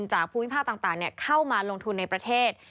จากภูมิภาคต่างเข้ามาลงทุนในประเทศ